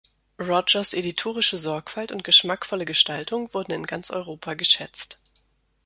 Rogers editorische Sorgfalt und geschmackvolle Gestaltung wurden in ganz Europa geschätzt.